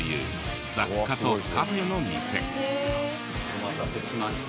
お待たせしました。